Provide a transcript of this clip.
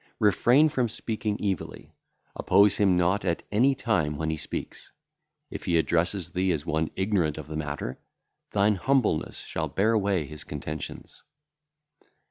Refrain from speaking evilly; oppose him not at any time when he speaketh. If he address thee as one ignorant of the matter, thine humbleness shall bear away his contentions.